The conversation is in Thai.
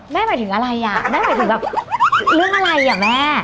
หมายถึงอะไรอ่ะแม่หมายถึงแบบเรื่องอะไรอ่ะแม่